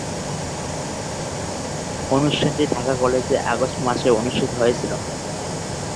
অনুষ্ঠানটি ঢাকা কলেজে আগস্ট মাসে অনুষ্ঠিত হয়েছিলো।